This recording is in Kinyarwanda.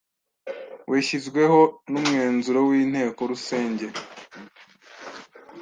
weshyizweho n’umwenzuro w’Inteko Rusenge